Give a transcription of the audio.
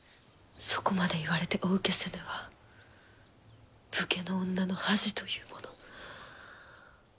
そこまで言われてお受けせぬは武家の女の恥というもの。